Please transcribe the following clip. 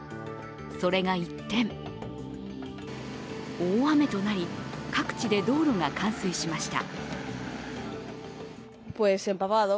それが一転、大雨となり、各地で道路が冠水しました。